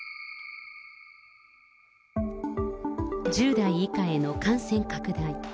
１０代以下への感染拡大。